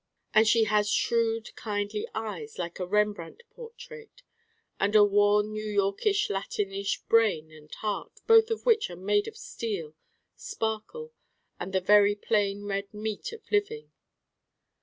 And she has shrewd kindly eyes like a Rembrandt portrait, and a worn New York ish Latin ish brain and heart both of which are made of steel, sparkle and the very plain red meat of living.